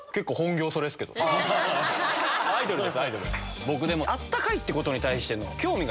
アイドルです。